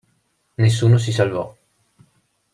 Nessuno si salvò.